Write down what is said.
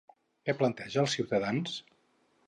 Què planteja als ciutadans?